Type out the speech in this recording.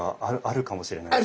あるかもしれない。